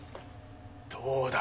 どうだ！